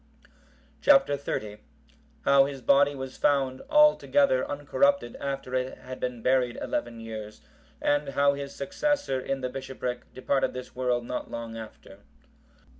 Chap. XXX. How his body was found altogether uncorrupted after it had been buried eleven years; and how his successor in the bishopric departed this world not long after.